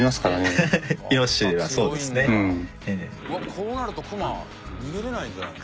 こうなるとクマ逃げられないんじゃないの？